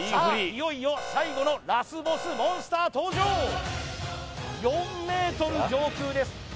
いよいよ最後のラスボスモンスター登場４ｍ上空です